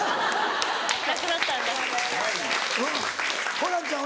ホランちゃん